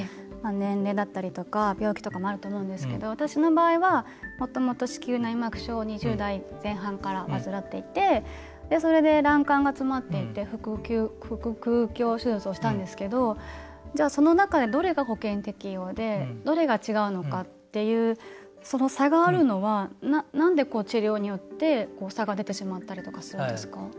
年齢だったりとか病気とかもあると思うんですけど私の場合はもともと子宮内膜症を２０代前半から患っていてそれで、卵管が詰まっていて腹腔鏡手術をしたんですけどじゃあ、その中でどれが保険適用でどれが違うのかっていうその差があるのはなんで治療によって差が出てしまったりするんですか。